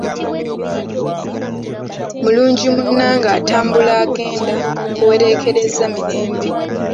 Mulungi munnange atambula agenda, nkuwereekereza mirembe